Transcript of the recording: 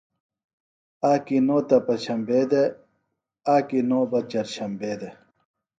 آکی نو تہ پچھمبے دےۡ آکی نو بہ چرچھمبے دےۡ